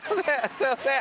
すいません！